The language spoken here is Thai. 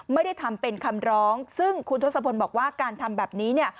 ไม่ได้ทำเป็นคำร้องซึ่งคุณทศพลบอกว่าการทำแบบนี้เนี่ย